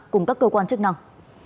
cùng các cơ quan chức năng